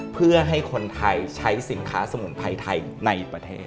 เพื่อให้คนไทยใช้สินค้าสมุนไพรไทยในประเทศ